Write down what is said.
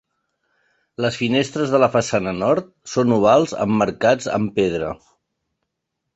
Les finestres de la façana nord són ovals emmarcats amb pedra.